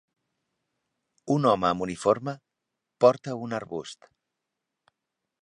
Un home amb uniforme porta un arbust.